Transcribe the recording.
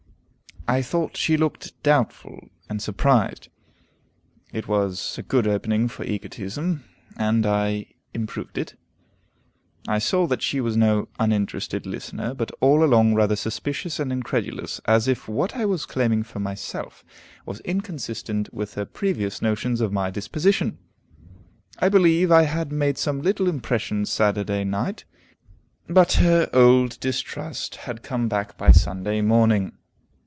I thought she looked doubtful and surprised. It was a good opening for egotism, and I improved it. I saw that she was no uninterested listener, but all along rather suspicious and incredulous, as if what I was claiming for myself was inconsistent with her previous notions of my disposition. I believe I had made some little impression Saturday night, but her old distrust had come back by Sunday morning.